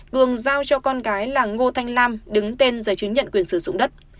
cường giao cho con gái là ngô thanh lam đứng tên giấy chứng nhận quyền sử dụng đất